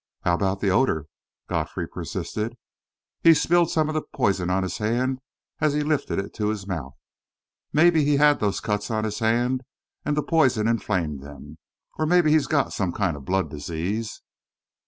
"How about the odour?" Godfrey persisted. "He spilled some of the poison on his hand as he lifted it to his mouth. Maybe he had those cuts on his hand and the poison inflamed them. Or maybe he's got some kind of blood disease."